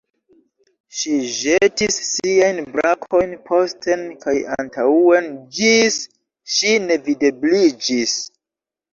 Ŝi ĵetis siajn brakojn posten kaj antaŭen, ĝis ŝi nevidebliĝis.